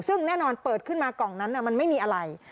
ซึ่งแน่นอนเปิดขึ้นมากล่องนั้นมันไม่มีอะไร